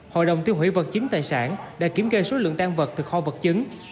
hội đồng tiêu hủy vật chiếm tài sản đã kiểm kê số lượng tan vật từ kho vật chứng